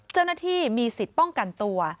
เจ้าหน้าที่มีสิทธิ์ป้องกันตัว